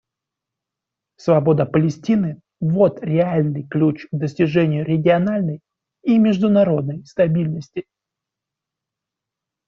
Свобода Палестины — вот реальный ключ к достижению региональной и международной стабильности.